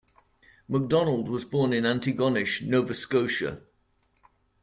MacDonald was born in Antigonish, Nova Scotia.